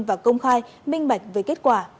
và công khai minh bạch với kết quả